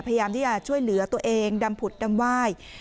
พยายามที่จะช่วยเหลือตัวเองดำผุดดำไหว้